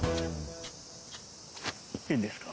いいんですか？